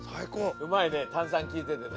うまいね炭酸きいててね。